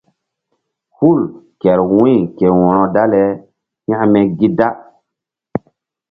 Hul kehr wu̧y ke wo̧ro dale hekme gi da.